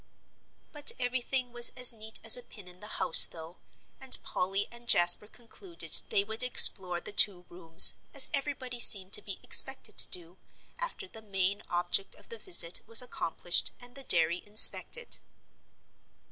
But everything was as neat as a pin in the house, though, and Polly and Jasper concluded they would explore the two rooms, as everybody seemed to be expected to do, after the main object of the visit was accomplished and the dairy inspected.